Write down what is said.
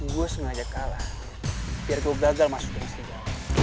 gue sengaja kalah biar lo gagal masuk ke serigala